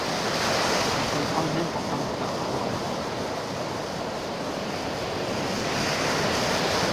Il comprend un important parc floral.